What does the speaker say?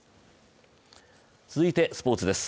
続いてスポーツです。